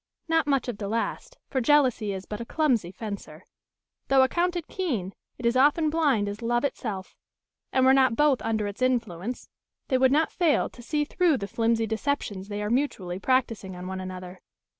Not much of the last, for jealousy is but a clumsy fencer. Though accounted keen, it is often blind as love itself; and were not both under its influence they would not fail to see through the flimsy deceptions they are mutually practising on one another.